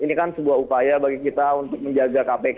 ini kan sebuah upaya bagi kita untuk menjaga kpk